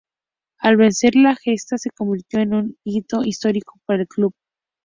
Al vencer, la gesta se convirtió en un hito histórico para el club.